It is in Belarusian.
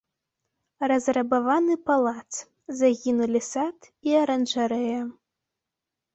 Разрабаваны палац, загінулі сад і аранжарэя.